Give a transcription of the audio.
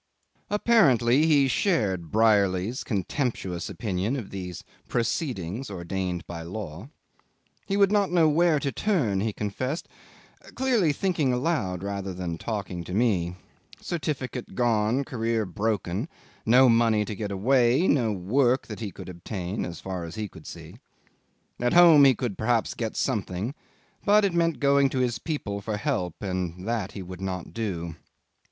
'Apparently he shared Brierly's contemptuous opinion of these proceedings ordained by law. He would not know where to turn, he confessed, clearly thinking aloud rather than talking to me. Certificate gone, career broken, no money to get away, no work that he could obtain as far as he could see. At home he could perhaps get something; but it meant going to his people for help, and that he would not do.